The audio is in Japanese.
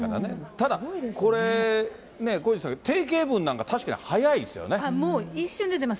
ただこれね、小西さん、定型文なんか、もう一瞬で出ます。